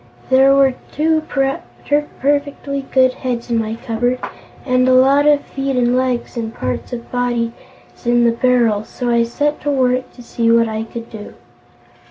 There were two perfectly good heads in my cupboard, and a lot of feet and legs and parts of bodies in the barrel, so I set to work to see what I could do.